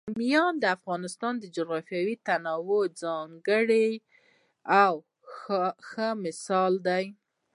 بامیان د افغانستان د جغرافیوي تنوع یو څرګند او ښه مثال دی.